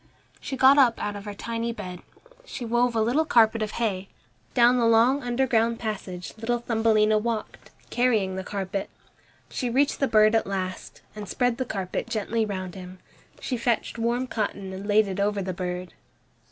She got up out of her tiny bed. She wove a little carpet out of hay. Down the long underground passage little Thumbelina walked, carrying the carpet. She reached the bird at last, and spread the carpet gently round him. She fetched warm cotton and laid it over the bird.